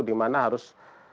di mana harus